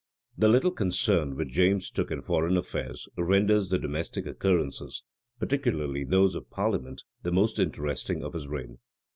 {1610.} The little concern which James took in foreign affairs, renders the domestic occurrences, particularly those of parliament, the most interesting of his reign.